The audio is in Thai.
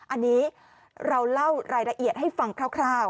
อันนี้เราเล่ารายละเอียดให้ฟังคร่าว